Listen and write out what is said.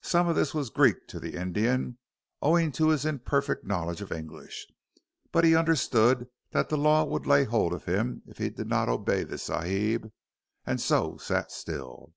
Some of this was Greek to the Indian, owing to his imperfect knowledge of English. But he understood that the law would lay hold of him if he did not obey this Sahib, and so sat still.